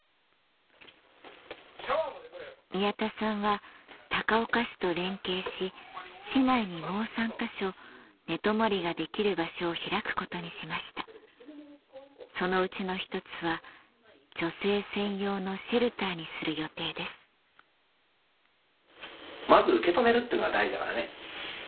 宮田さんは高岡市と連携し市内にもう３か所寝泊まりができる場所を開くことにしましたそのうちの一つは女性専用のシェルターにする予定ですまず受け止めるってのが大事だからね。